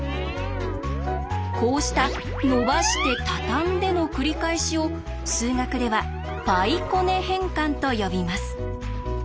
こうしたのばして畳んでの繰り返しを数学では「パイこね変換」と呼びます。